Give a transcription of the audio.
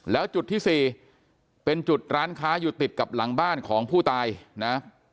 แล้วจุดที่๔เป็นจุดร้านค้าอยู่ติดกับหลังบ้านของผู้ตายนะ